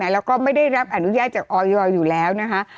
แล้วก็ไม่ได้รับอนุญาตจากออยอยู่แล้วนะคะ